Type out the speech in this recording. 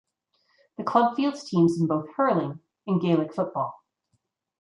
The club fields teams in both hurling and Gaelic football.